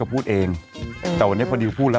ตอนนี้พอดิวพูดแล้ว